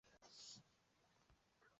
因此内湖庄长郭华让申请造桥。